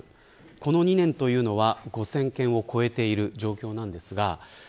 この２年というのは５０００件を超えている状況です。